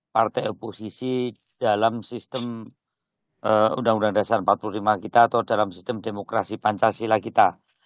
partai oposisi dalam sistem undang undang dasar empat puluh lima kita atau dalam sistem demokrasi pancasila kita